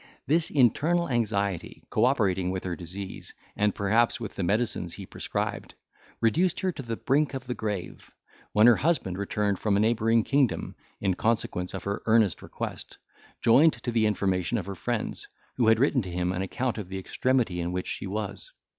This internal anxiety co operating with her disease, and perhaps with the medicines he prescribed, reduced her to the brink of the grave; when her husband returned from a neighbouring kingdom, in consequence of her earnest request, joined to the information of her friends, who had written to him an account of the extremity in which she was.